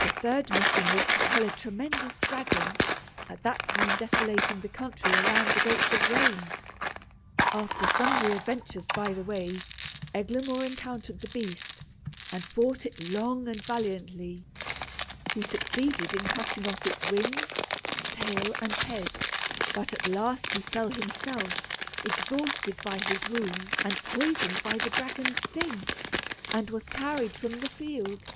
The third mission was to kill a tremendous dragon, at that time desolating the country around the gates of Rome. After sundry adventures by the way, Eglamour encountered the beast, and fought it long and valiantly. He succeeded in cutting off its wings, tail, and head; but at last he fell himself, exhausted by his wounds and poisoned by the dragon's sting, and was carried from the field.